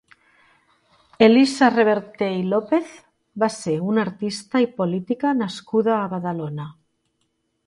Elisa Reverter i López va ser una artista i política nascuda a Badalona.